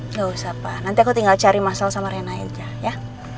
nggak usah pak nanti aku tinggal cari mas al sama rena aja ya